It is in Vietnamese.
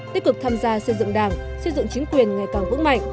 tích cực tham gia xây dựng đảng xây dựng chính quyền ngày càng vững mạnh